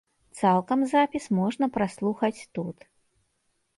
Цалкам запіс можна праслухаць тут.